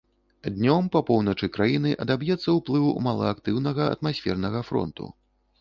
Днём па поўначы краіны адаб'ецца ўплыў малаактыўнага атмасфернага фронту.